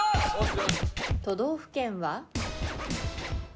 都道府県は？